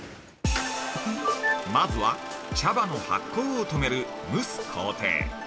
◆まずは、茶葉の発酵を止める「蒸す」工程。